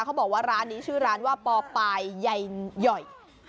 เขาบอกว่าร้านนี้ชื่อร้านว่าปอปายใหญ่หย่อย